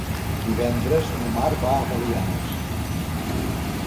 Divendres na Mar va a Belianes.